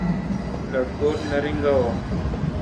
لٹکور نہ رینگاوں۔